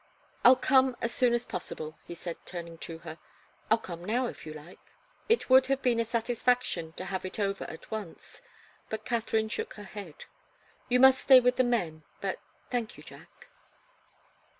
"I'll come as soon as possible," he said, turning to her. "I'll come now, if you like." It would have been a satisfaction to have it over at once. But Katharine shook her head. "You must stay with the men but thank you, Jack."